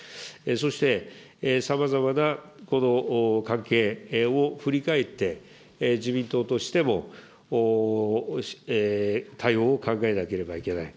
そして、さまざまな関係を振り返って、自民党としても対応を考えなければいけない。